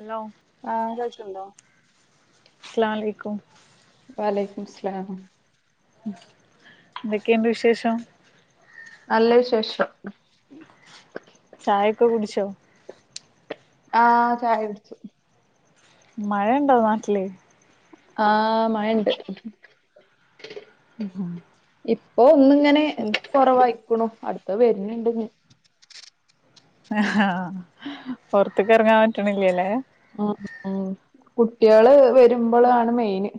Hello ആഹ് കേൾക്ക്ണ്ടോ? അസ്‌ലാം അലെയ്ക്കും. വഅലൈക്കും മുസ്‌ലാം. എന്തൊക്കെയ്ണ്ട് വിശേഷം? നല്ല വിശേഷം. ചായക്കെ കുടിച്ചോ? ആഹ് ചായകുടിച്ചു. മഴ യൊണ്ടോ നാട്ടില്? ആഹ് മഴയ്ണ്ട്. ഉംഹ് ഇപ്പോ ഒന്ന്ങ്ങനെ കൊറവായിക്കുണു അടുത്ത വര്ണ് ണ്ട്നി. ആഹ് പൊറ്ത്ത്ക്ക് എറങ്ങാൻ പറ്റ്ണില്ല്യലെ. ഉം ഉം കുട്ട്യാള് വരുമ്പളാണ് മെയിന്.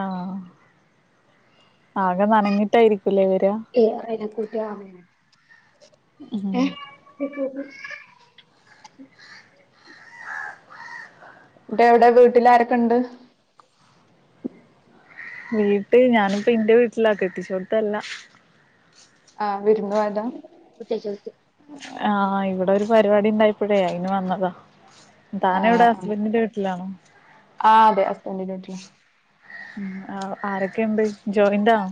ആഹ് ആകെ നനഞ്ഞിട്ടായിരുക്കല്ലേ വരാ. ഏഹ് [unintelligible] ഉം ഏഹ് [unintelligible] ന്റെവടെ വീട്ടിലാരൊക്കണ്ട്? വീട്ട് ഞാനിപ്പ ഇന്റെ വീട്ടിലാ കെട്ടിച്ചോട്ത്തല്ല. ആഹ് വിരുന്നു പോയതാ? ആഹ് ഇവടെ ഒരു പരിപാടി ഉണ്ടായപ്പോഴേ അയിന് വന്നതാ. താനെവടെ ആഹ് ആഹ് ഹസ്ബൻന്റിന്റെ വീട്ടിലാണോ? ആഹ് അതെ ഹസ്ബൻന്റിന്റെ വീട്ട്ലാ. ആഹ് ആരൊക്കെണ്ട് ജോയിന്റാണോ?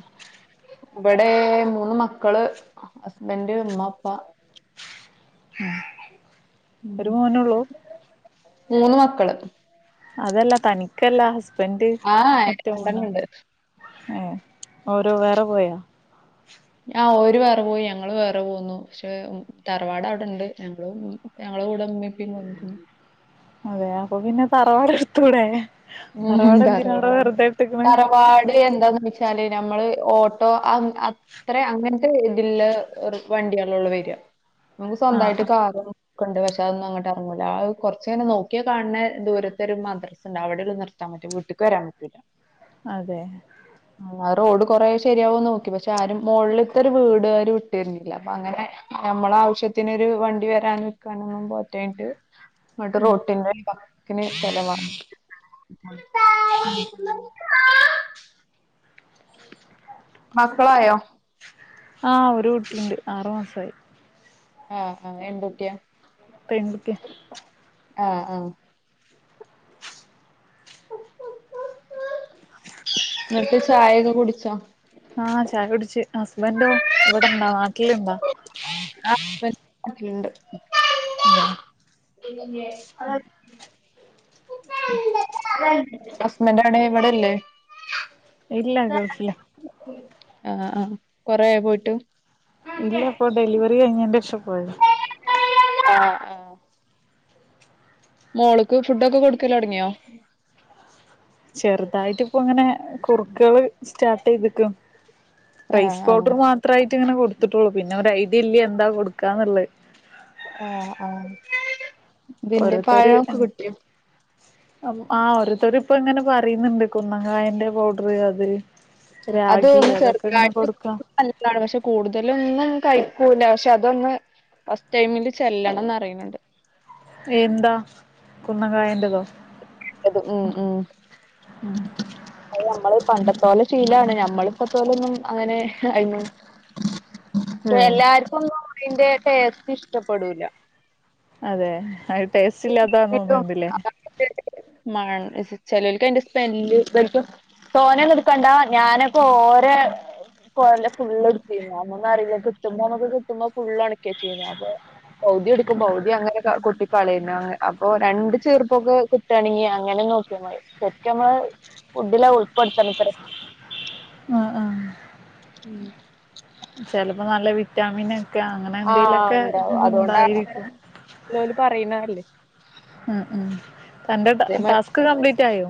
ഇവടെ മൂന്ന് മക്കള് ഹസ്ബൻഡ് ഉമ്മ ഉപ്പ. ഉം. ഒരു മോന ഒള്ളൂ? മൂന്ന് മക്കള്. അതല്ല തനിക്കല്ല ഹസ്ബൻഡ് ആഹ് ഒറ്റ മോനാ. രണ്ടെണ്ണണ്ട് ഏ ഓരോ വേറെ പോയാ? ആഹ് ഓര് വേറെ പോയി ഞങ്ങള് വേറെ പോന്നു പഷേ തറവാട് അവടെണ്ട് ഞങ്ങളും പൊന്നു. ഞങ്ങളെ ക്കുടെ മ്മേം പ്പിം വന്ന്ക്കുണു. അതെ അപ്പൊ പിന്നെ തറവാട് എടു തൂടെ. ഉം തറവാട് തറവാ വാട് എന്താന്ന് വെച്ചാല് നമ്മള് ഓട്ടോ ആം അ അത്ര അങ്ങൻത്തെ ഇതില്ല ഒരു വണ്ടിയാളോള്ളൂ വരാ നമുക്ക് ആഹ് സ്വന്തമായിട്ട് ആഹ് കാറും ക്കണ്ട് പക്ഷെ അതൊന്നും അങ്ങട്ട് അറങ്ങൂല്ല അയ് കൊറച്ചങ്ങനെ നോക്കിയാ കാൻണേ ദൂരത്തരു മദ്രസ്ണ്ട് അവടെ ഒള്ളൂ നി ർത്താ മതി വ്ട്ട്ക്ക് വരാൻ പറ്റില്ല. അതെ. ആ റോഡ് കൊറെശരിയാവോ നോക്കി പക്ഷെ ആരും മോൾത്തേ ഒരു വീട് അവര് വിട്ടേര്ണില്ല അപ്പ അങ്ങനെ ഞമ്മള ആവിശ്യത്തിനൊരു വണ്ടി വരാൻ നിക്കാനൊന്നും പറ്റാണ്‌ട്ട് ങ്ങട്ട് റോട്ടിന്റെ വക്കിന് സ്ഥലംവാങ്ങി [unintelligible] മക്കളായോ ആഹ് ഒരു കുട്ടിണ്ട് ആറു മാസായി ഏഹ് ആഹ് എന്തുട്ട്യാ പെൺകുട്ട്യാ ആഹ് ആഹ് ന്നട്ട് ചായയൊക്കെ കുടിച്ചോ ആഹ് ചായ കുടിച്ച് ഹസ്ബൻറ്റോ ഇവടെണ്ടാ നാട്ടില്ണ്ടോ ഹസ്ബന്റ് നാട്ടിലിണ്ട് അതെ [unintelligible] ഹസ്ബന്റഎവടെ ഇവടെല്ലേ ഇല്ല ഗൾഫില ആഹ് ആഹ് ആഹ് കൊറേ ആയോ പോയിട്ട് ഇല്ല ഇപ്പൊ ഡെലിവറി കഴിഞേന്റെ ഷാ പോയത് ആഹ് ആഹ് മോള്ക്ക് ഫുഡൊക്കെ കൊടുക്കലോടങ്ങ്യ ചെർതായിട്ട് ഇപ്പ ഇങ്ങനെ കുർക്കേള് സ്റ്റാട്ടീത്ക്ക ആഹ് റൈസ് ആഹ് പൗഡർ മാ- ത്രായിറ്റ് ഇങ്ങനെ കൊടുത്ത്ട്ടൊള്ളൂ പിന്നെ ഒരഐഡിയ ഇല്ല എന്താ കൊക്കാന്ന്ള്ളെ ആഹ് ആഹ് പ്പിന്റെ പാഴംക്കെ കൊടുത്തി ആഹ് ഓരോരുത്തര് ഇപ്പ ഇങ്ങനെ പറിന്ന്ണ്ട് കുന്നങ്കായന്റെ പൗഡർ അത് അത് രാഗി ഒന്ന് അതൊക്ക ങ്ങനെ ചെറുതായിട്ട് കൊടുക്ക നല്ലതാണ് പക്ഷെ കൂടുതലൊന്നും കഴിക്കൂല്ല പക്ഷെ അതൊന്ന് ഫസ്റ്റ്ടൈമില് ചെല്ലണംന്ന് അറിണ് ണ്ട് ഏന്താ കുന്നങ്കായന്റതോ അത് ഉം ഉം നമ്മൾ പണ്ട ത്തൊലെ ശീലാണ് ഞമ്മളി പത്താലെന്നും അങ്ങനെ അയ്നു പ്പ എല്ലാ [unintelligible] അതിന്റെ ടേസ്റ്റ് ഇഷ്ടപ്പെടൂല അതെ അത് ടേസ്റ്റ് ഇല്ലാത്ത തേന്ന്ണ്ട്ല്ലേ മ്മണ് ചെലോല്ക്ക് അതിന്റെ സ്മേല്ല് [unintelligible] തോനൊന്നും ഇട്ക്കണ്ട ഞാനൊക്ക ഓരേ കൊല ഫുള്ള് ഇട്ത്തീന്നു അന്നൊന്നും അറിയില്ല കിട്ടുമ്പോ നമക്ക് കിട്ടുമ്പോ ഫുള്ള് ഒണക്കെച്ചീന്നു അപ്പൊ പൗതി എടുക്കും പൗതി അങ്ങനെ ക കൊട്ടി കളിഞാ അപ്പൊ രണ്ട് ച്ചീർപ്പൊക്കെ കിട്ടാണെങ്ങി അങ്ങനെ നോക്കാമതി ശെരിക്ക് ഞമ്മള് ഫുഡിലാ ഉൾപ്പെടുത്തണത്ര ആഹ് ആഹ് ഉം ചെലപ്പോ നല്ല വിറ്റാമിൻ ഒക്കെ അങ്ങനെ ആഹ് എന്തെലൊക്കെ ഇണ്ടായിരിക്കും ഇള്ളോല് പറയുന്നതല്ലേ ഉം ഉം തന്റെ ട്ടാ അതേമാ ട്ടാസ്ക് കംപ്ലീറ്റായോ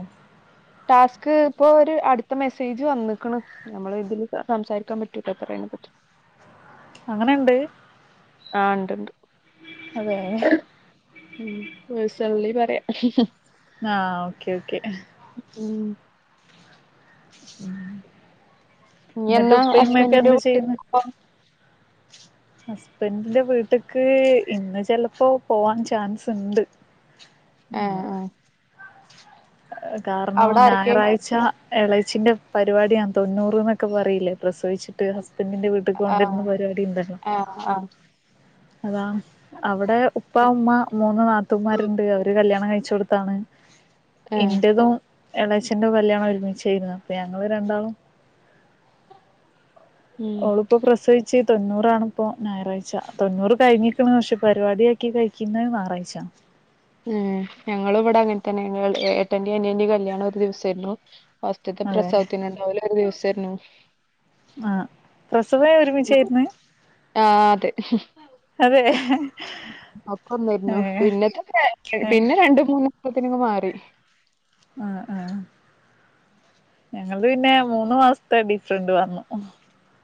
ടാസ്ക് ഇപ്പ ഒരു അടുത്ത മെസ്സേജ് വന്ന്ക്ണ് നമ്മള് ഇതില് സംസാരിക്കാൻ പറ്റുല പറിണത് അങ്ങനെണ്ട്? ആഹ് ഇണ്ട്ണ്ട് അതെതെ ഉം പേഴ്സൺലി പറയാ ആഹ് ഓക്കെ ഓക്കെ ഉം ഉം ഇയ്യ് ഇന്നട്ട് എന്നാ ഉപ്പ, ഉമ്മിക്കെ ഹസ്ബന്റിന്റെ എന്ത് വീട്ട്ക്ക് ചെയ്യുന്നു? പോവാ [unintelligible] ഹസ്ബന്റിന്റെ വീട്ട്ക്ക് ഇന്ന് ചെൽപ്പോ പോവാൻ ചാൻസ് ഇണ്ട് ഏഹ് അങ്ങനെ ആഹ് കാരണം അവിടെ ആരൊക്കെ ഞാറാഴ്ച എളെച്ചിന്റെ പരിപാടിയാണ് തൊണ്ണൂറ്ന്നൊക്കെ പറയില്ലേ പ്രസവിച്ചി ട്ട് ഹസ്ബന്റിന്റെ വീട്ടിക്ക് ആഹ് കൊണ്ടുവരുന്ന പരിപാടി ഇണ്ടല്ലോ ആഹ് ആഹ് അതാ അവിടെ ഉപ്പ, ഉമ്മ, മൂന്ന് നാത്തൂന്മാരുണ്ട് അവര് കല്യാണം കഴിച്ചോട്ത്താണ് ഏഹ് ഇന്റതും, എളച്ചന്റതും കല്യാണം ഒരുമിച്ചായിരുന്നു അപ്പ ഞങ്ങള് രണ്ടാളും ഉം ഓള്പ്പോ പ്രസവിച്ച് തൊണ്ണൂറാണ്പ്പോ ഞാറാഴ്ച തൊണ്ണൂറ് കഴിഞ്ഞിക്ക്ണ് പക്ഷേ പരിപാടി [unintelligible] കഴിക്കുന്നെ ഞാറാഴ്ച ഏഹ് ഞങ്ങളും ഇവടെ അങ്ങൻ തന്നെ ഏട്ടന്റേം, അനിയന്റേം, കല്യാണം ഒരു ദിവസായിരുന്നു ഫസ്റ്റത്തെ അതെ പ്രസവത്തിനുണ്ടാവില്ല ഒരു ദിവസായിരുന്നു ആഹ് പ്രസവേ ഒരുമിച്ചായിരുന്ന് ആഹ് അതെ അതെ ഒക്കെ ഒന്നായ്രുന്നു ഏഹ് പിന്നത്തെ ഏഹ് പിന്നെ രണ്ട്, മൂന്ന്ത്തിനങ് മാറി ആഹ് ആഹ് ഞങ്ങൾത് പിന്നെ മൂന്ന് മാസത്തെ ഡിഫ്‌റന്റ് വന്നു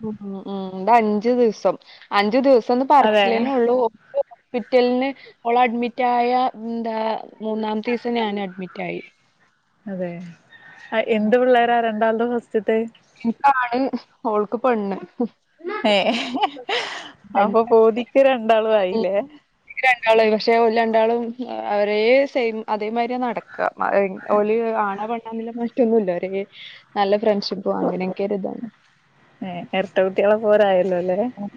ഉം ഉം ഇത് അഞ്ചു ദിവസം അഞ്ചു ദിവസംന്ന് അതെ പർച്ചില്ലേന്നെ ഒള്ളൂ ഹോസ്പിറ്റൽന്ന് ഓള് അഡ്മിറ്റായ എന്താ മൂന്നാമ്ത്തെ ദിവസം ഞാനും അഡ്മിറ്റായി അതെ എന്ത് പിള്ളാരാ രണ്ടാൾത്തും ഫസ്റ്റ്ത്തെ ഇൻക്കാണ്, ഓൾക്ക് പെണ്ണ് ഏഹ് അപ്പൊ രണ്ട് പൂതിക്ക് രണ്ടാളും ആയില്ലേ? എനിക്ക് രണ്ടാളായി പക്ഷെ ഓല് രണ്ടാളും ഒരേ സെയിം അതേമാതിരിയ നടക്ക ക്ക ഓല് ആണാ പെണ്ണാന്ന്ള്ളെ മറ്റൊന്നുല്ല ഓര് നല്ല ഫ്രണ്ട്ഷിപ്പ് അങ്ങനെ കേര്താ ഏഹ് എരട്ട കുട്ടികളെ പോലെ ആയല്ലോ അല്ലേ? ഉം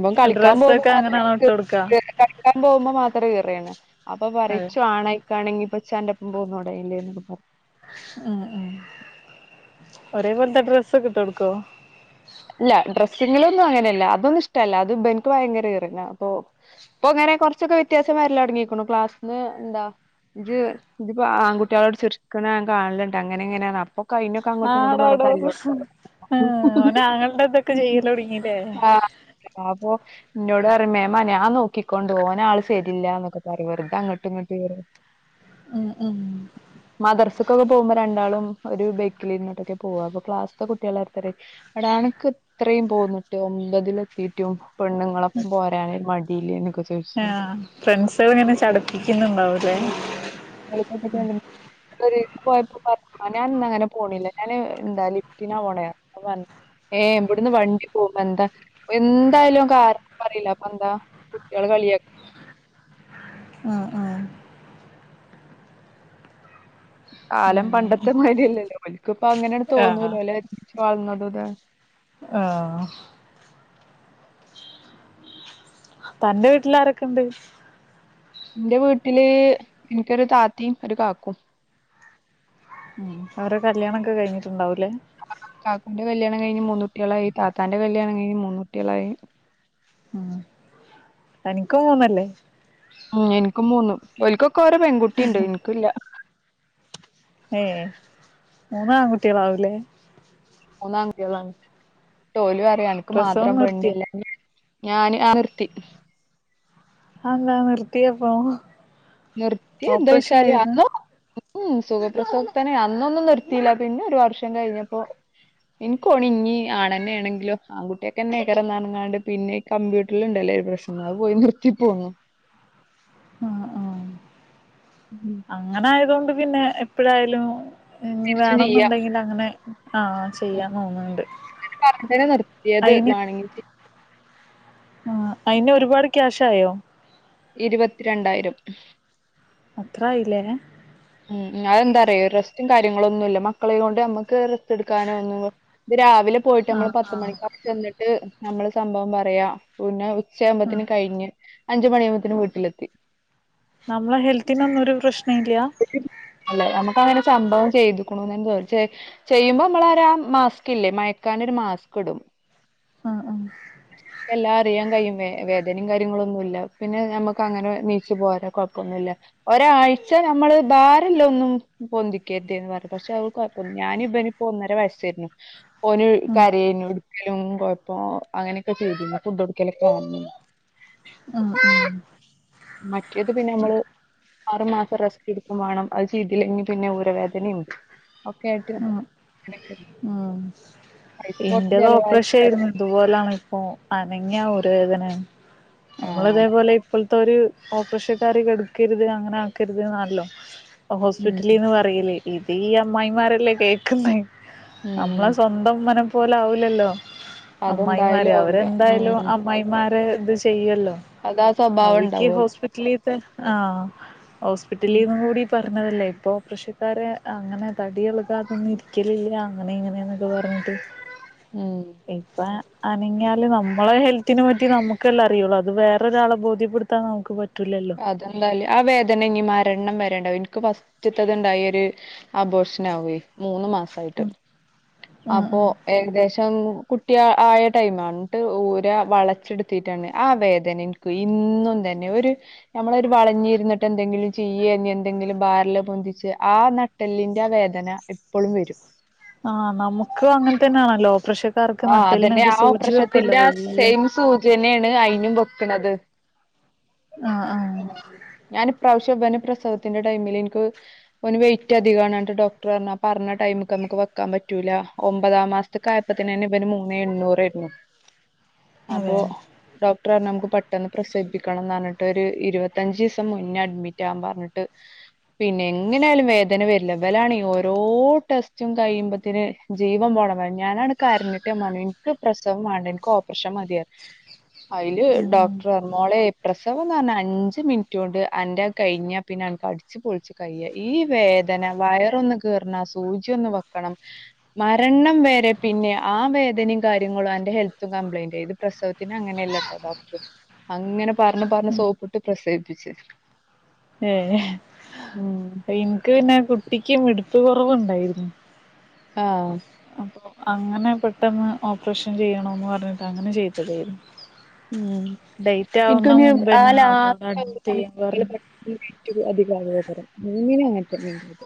ഇവൻ കളിക്കാൻ പോകുമ്പോ ഡ്രസ്സൊക്കെ മാത്രം അങ്ങനെയാണോ ഇട്ട് കൊടുക്കാ കളിക്കാൻ പോകുമ്പോ മാത്രേം ഈറെണ് അപ്പ പറിം അതെ ഇച്ചും ആണയ്ക്കാണെങ്കി ഇപ്പൊ ചന്റെപ്പം പോന്നൂടയ്ല്ലേന്യോ ഉം ഉം ഒരേ പോൽത്തെ ഡ്രെസ്സൊക്കെ ഇട്ട് കൊടുക്കോ? ഇല്ല ഡ്രസ്സിങ്ങിലോന്നും അങ്ങനെല്ല അതൊന്നും ഇഷ്ടല്ല അത് ഇവൻക്ക് ഭയങ്കര ഈറെണ് അപ്പൊ ഇപ്പൊ അങ്ങനെ കോർച്ചൊക്കെ വ്യത്യാസം വേര്ലൊടങ്ങീക്ണു ക്ലാസ്സിന്ന് എന്താ ഇജ്ജ് ഇജ്ജ്പ്പോ ആൺകുട്ടികളോട് ചിരിക്ണത് ഞാൻ കാണല്ണ്ട് അങ്ങനെ ഇങ്ങനെണ് അപ്പൊ ആടോടോ ഉം ഓന് ആങ്ങൾന്റെ ഇതൊക്കെ ചെയ്യല് തോടങ്ങീല്ലേ ആഹ് ആപ്പൊ ഇന്നോട് പറിം മേമാ ഞാൻ നോക്കിക്കൊണ്ട് ഓന് ആള് ശരില്ലന്നൊക്കെ പറയും വേർതെ അങ്ങട്ട് ഇങ്ങട്ട് ഉം ഉം മദ്രറസക്കൊക്കെ പോകുമ്പോ രണ്ടാളും ഒരു ബൈക്കില് ഇരുന്നിട്ടൊക്കെ പോക അപ്പൊ ക്ലാസ്സ്ത്തെ കുട്ടികള് [unintelligible] അട അനക്ക് എത്രയും പോന്നിട്ട് ഒമ്പതില എത്തിട്ടും പെണ്ണുങ്ങളൊപ്പ പോരാനെ മടിയില്ലേ എന്നൊക്കെ ചോദിച്ചു ആഹ് ഫ്രണ്ട്സളിങ്ങനെ ചടപ്പിക്കുന്നുണ്ടാവോ [unintelligible] പോയപ്പോ പറഞ്ഞ ഞാൻ ഇന്നങ്ങനെ പോണില്ല ഞാന് എന്താ ലിഫ്റ്റിനാ പോണപ്പ ഏഹ് ഇവിടുന്ന് വണ്ടി പോമ്പാ എന്താ എന്തായാലും ഓന് കാരണം പറിയില്ല അപ്പ എന്താ കുട്ടികൾ കളിയാക്ക ആഹ് ആഹ് കാലം പണ്ടത്തെ മതിരില്ലല്ലോ ലോലിക്കക്ക് ഇപ്പ അങ്ങനെയാണ് തോന്നൂ ആഹ് ലോല [unintelligible] വളർന്നടത് ആഹ് തന്റെ വീട്ടിലാരൊക്കെണ്ട് എന്റെ വീട്ടില് എനിക്കൊരു താത്തിയും ഒരു കാക്കും ഉം അവരെ കല്യാണണംക്കെ കഴിഞ്ഞിട്ടുണ്ടാവല്ലേ കാക്കുന്റെ കല്യാണം കഴിഞ്ഞ് മൂന്നുട്ടിയാളായി താത്താന്റെ കല്യാണം കഴിഞ്ഞ് മൂന്ന കുട്ടിയളായി ഉം തനിക്കും തോന്നല്ലേ ഉം എനിക്കും മൂന്നും ഒരിക്കക്കൊക്കെ ഓരോ പെൺകുട്ടിണ്ട് ഇനിക്കല്ല ഏയ് മൂന്ന ആൺകുട്ടിയളാവില്ലേ മൂന്നാം അങ്കിട്ടാളാണ് തോലും അറിയ അനക്ക് പ്രസവം മാത്രം നിർത്തിയോ പെണ്ണില്ലന്ന് ഞാാന് ആ നിർത്തി അന്താ നിർത്തിയപ്പം നിർത്തി എന്താ വെച്ചാല് അതോ ഉം സുഖപ്രസോക്തനെ അന്നൊന്നും നിർത്തില്ല പിന്നെ ഒരു വർഷം കഴിഞ്ഞപ്പോ എനിക്കോണ ഇനി ആണന്നെ ആണെങ്കിലോ ആൺകുട്ടിയൊക്കെ എന്നെക്കറ നറങ്ങാണ്ട് പിന്നെ കമ്പ്യൂട്ടറൽ ഉണ്ടല്ലേ ഒരു പ്രശ്നം അത് പോയി നിർത്തിപ്പോന്നു ആഹ് ആഹ് ഉം അങ്ങനെ ആയതൊണ്ട് പിന്നെ എപ്പഴായാലും ഇനി തിരിച്ചും ചെയ്യാ വേണംന്നുണ്ടെങ്കിൽ അങ്ങനെ ആഹ് ഉം ചെയ്യാൻ തോന്നുന്നുണ്ട് കറണ്ടിനെ നിർത്തിയത് അയിന് വാണെങ്കി ആഹ് അയിന് ഒരുപാട് ക്യാഷയോ ഇരുപത്തിരണ്ടായിരം അത്രയില്ലേ ഉം അതെന്താറോ റസ്റ്റും കാര്യങ്ങളും ഒന്നു ഇല്ല മക്കളെ കൊണ്ട് നമ്മുക്ക് റെസ്റ്റ് എടുക്കാനോ ഒന്നും ഇത് രാവിലെ പോയിട്ട് നമ്മൾ ആഹ് പത്ത ആഹ് മണിക്കാർ ചെന്നിട്ട് നമ്മള് സംഭവം പറയാ പിന്നെ ഉം ഉച്ചയാമ്പത്തന് കഴിഞ്ഞ് അഞ്ച മണിയുമ്പേന് വീട്ടിലെത്തി നമ്മളെ ഹെൽത്തിനൊന്നും ഒരു പ്രശ്നം ഇല്ല അല്ലെ നമുക്ക് അങ്ങനെ സംഭവം ചെയ്തുക്കണന്നന്ന് ചോദിച്ച ചെയ്യുമ്പോ നമ്മളൊരാ മാസ്ക് ഇല്ലേ മയക്കൻരു മാസ്ക് ഇടും ആഹ് ആഹ് എല്ലാം അറിയാൻ കഴിയും വേ വേദനയും കാര്യങ്ങളും ഒന്നുംല്ല പിന്നെ നമ്മുക്ക് അങ്ങനെ നീച് പോരാ കുഴപ്പന്നുല്ല ഒരാഴ്ച നമ്മള് ബാരല്ല ഒന്നും പൊന്തിക്കരുതേന്ന് പറഞ്ഞു പക്ഷെ അത് കോയപ്പല്ലാ ഞാനിപനി ഇപ്പോ ഒന്നര വയസ്സായിരുന്നു ഓന ഉം കരന എടുക്കലും കൊഴപ്പം അങ്ങനെയൊക്കെ ചെയ്തി ഫുഡ്ടുക്കലൊക്കെ ഞാനന്നെനി ഉം ഉം മറ്റേത് പിന്നെമ്മള് ആറു മാസം റെസ്റ്റ് എടുക്കും വേണം അത് ചെയ്തില്ലെങ്കിൽ പിന്നെ ഊരവേദനിം ഒക്കെ ആയിട്ട് ആഹ് പൈസ കൊറച്ച് ഇൻ്റെത് ചെലവായാലും ഓപ്പറേഷായിരുന്നു ഇതുപോലാണ് അപ്പ അനങ്ങിയാ ഊര വേദനയാണ് നമ്മള് ആഹ് അതെ ഇതേപോലെ ഇപ്പൾത്തോര് ഓപ്പറേഷൻക്കാര് കെടക്കരുത് അങ്ങനെ ആക്കരുതന്ന് ആണല്ലോ ഉം ഹോസ്പിറ്റലീന്ന് പറ പറയല് ഇത് ഈ അമ്മായിമാരല്ലേ കേക്കുന്നെ ഉം നമ്മളെ സ്വന്തം ഉമ്മാനെ പോലെ പോലെ ആവൂല്ലല്ലോ അമ്മായിമാര് അതെന്തായാലും ആവൂല അവരെന്തായാലും ഉം അമ്മായി മാരെ ഇത് ചെയ്യല്ലോ അതാ സ്വഭാവം അവര്ക്ക് ഈ ഇണ്ടാവോലോ ഹോസ്പിറ്റലീ തൻ ആഹ് ഉം ഹോസ്പിറ്റലിൽ നിന്ന് കൂടി പറഞ്ഞതല്ലേ ഇപ്പൊ ഓപ്രഷക്കാരെ അങ്ങനെ തടിയെളക് കാതൊന്നും ഇരിക്കലില്ല അങ്ങനെ ഇങ്ങനെ ആണ്ന്നൊക്കെ പറഞ്ഞിട്ട് ഉം ഇപ്പ അനങ്ങ്യാല് നമ്മളെ ഹെൽത്തിനെ പറ്റി നമുക്കല്ലേ അറിയൊള്ളൂ അത് വേറൊരാളെ ബോധ്യപ്പെട് ത്താൻ നമുക്ക് പറ്റൂലല്ലോ അതെന്തായാലും ആ വേദന ഇനി മരണം വരെണ്ടാവും ഇൻക്ക് ഫസ്റ്റത്തത്ണ്ടായി ഒര് അബോഷനാവേ മൂന്ന് മാസായിട്ട് ഉം അപ്പോ ഉം ഏകദേശം കുട്ടി അ ആയ ടൈമാ ഇന്നട്ട് ഊരാ വളച്ചെടുത്തിട്ടാണ് ആ വേദനിം ക്കും ഇന്നും ഇതന്നെയാ ഒര് ഞമ്മളൊരു വളഞ്ഞിര്ന്ന്ട്ട് എന്തെങ്കിലും ചെയ്യേ ഇനി എന്തെങ്കിലും ഭാരള്ളെ പൊന്തിച്ച് ആ നട്ട് ട്ടല്ലിന്റെ ആ വേദന ഇപ്പളും വെരും ആഹ് നമുക്ക് അങ്ങൻത്തന്നേണല്ലോ ഓപ്രഷ ആഹ് അതെന്നെ ആണ് ആ ഓപ്രഷത്തിന്റെ ആഹ് വല്യ സെയിം സൂചന്നേണ് ഐനും വെക്ക്ണത് ആഹ് ആഹ് ഞാന് ഇപ്രാവശ്യം ഇബന് പ്രസവത്തിന്റെ ടൈമില് ഇൻക്ക് ഓന് വെയ്റ്റ് അധികാണ് പറഞ്ഞിട്ട് ഡോക്ടറ് പർഞ്ഞു ആ പർഞ്ഞ ടൈമ്ക്ക് നമ്മക്ക് വെക്കാൻ പറ്റൂലാ ഒമ്പതാം മാസ്ത്ത്ക്കാ അപ്പത്തിനെന്നെ ഇവന് മൂന്നേ എണ്ണൂറേര്ന്നു അപ്പൊ അതെ ഡോക്ടറർഞ്ഞു നമുക്ക് പെട്ടെന്ന് പ്രസവിപ്പിക്കണന്നർഞ്ഞ്ട്ട് ഒരു ഇരുപത്തഞ്ചീസം മുന്നേ അഡ്മിറ്റാവാൻ പർഞ്ഞിട്ട് പിന്നെ എങ്ങനായാലും വേദന വെരില്ല ഇവലാണെ ഓരോ ടെസ്റ്റും കയുമ്പോത്തിന് ജീവൻ പോണതാ ഞാനാണ്ട് കര്ഞ്ഞ്ട്ട് ഞാ പർഞ്ഞു ഇൻക്ക് പ്രസവം വാണ്ട ഇൻക്ക് ഓപ്പറഷൻ മതി പർഞ്ഞ് അയില് ഉം ഉം ഡോക്ടർഞ്ഞു മോളെ പ്രസവന്നർഞ്ഞാ അഞ്ച് മിൻറ്റോണ്ട് അന്റെ കഴിഞ്ഞാ പിന്നെ അനക്ക് അടിച്ച് ച്ച് പൊൾച്ച് കയ്യാ ഈ വേദന വയറൊന്ന് കീറണ സൂചൊന്ന് വെക്കണം മരണം വെരേ പിന്നെ ആ വേദനിം കാര്യങ്ങളും അന്റെ ഹെൽത്തും കംപ്ലയിന്റ് ഇത് പ്രസവത്തിന് അങ്ങനല്ലട്ടോ ഡോക്ടറ് അങ്ങനെ പർഞ്ഞ് പർഞ്ഞു സോപ്പിട്ട് പ്രസവിപ്പിച്ച് ഏഹ് ഉം ഇൻക്ക് പിന്നെ കുട്ടിക്ക് മിടിപ്പ് കൊറവ്ണ്ടായിരുന്നു ആഹ് അപ്പൊ അങ്ങനെ പെട്ടെന്ന് ഓപ്പറേഷൻ ചെയ്യണോന്ന് പർഞ്ഞിട്ട് അങ്ങനെ ചെയ്തതേനി ഉം ഇൻക്ക് പിന്നെ മുൻപന്നെ ആഹ് നമ്മളോട് അഡ്മിറ്റ് ചെയ്യാൻ [unintelligible] പറഞ്ഞു. വെയിറ്റ് അധിക ആകേക്കാരം മൂന്നിനും അങ്ങൻത്തന്നേനി ഇൻ്റത്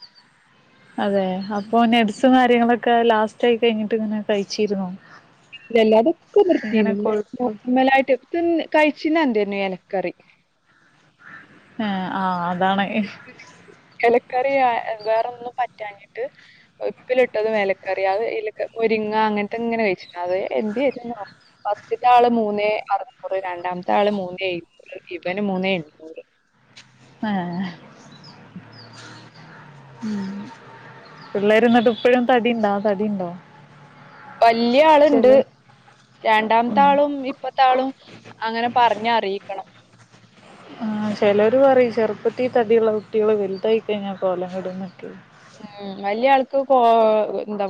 അതെ അപ്പൊ നെഡ്സും കാര്യങ്ങളൊക്കെ ലാസ്റ്റ് ആയി കഴിഞ്ഞിട്ട് ഇങ്ങനെ കഴിച്ചിര്ന്നോ ഇല്ലല്ല അതൊക്കെ നിർത്തീന്ന് കൊഴുപ്പ് നോർമലായിട്ട് [unintelligible] കഴിച്ചീനെ എന്തേന്നു എലക്കറീ ഏഹ് ആഹ് അതാണ് എലക്കറി ആഹ് ഏഹ് വേറൊന്നും പറ്റാഞ്ഞിട്ട് ഉപ്പിലിട്ടതും എലക്കറിം അത് ഇല മുരിങ്ങ അങ്ങൻത്തങ്ങനെ കഴിച്ചിര്ന്നു അത് എന്തേര്ന്നോ ആവോ ഫസ്റ്റ്ത്താള് മൂന്നേ അറ്നൂറ് രണ്ടാമത്താള് മൂന്നേ എഴുന്നൂറ് ഇവന് മൂന്നേ എണ്ണൂറ് ആഹ് ഉം പിള്ളേര് എന്നിട്ട് ഇപ്പഴും തടിയുണ്ടോ തടിയുണ്ടോ വല്യാള് ഉണ്ട് ചെലോ രണ്ടാമത്തെ ആളും ഇപ്പ ത്തെ ആളും അങ്ങനെ പർഞ്ഞറിയിക്കണം ആഹ് ചെലോര് പറയും ചെർപ്പത്തിൽ തടിയുള്ള കുട്ടികള് വെലുതായി കഴിഞ്ഞാ കോലം കെടുന്നൊക്കെയെ ഉം വല്യാൾക്ക് കോ എന്താ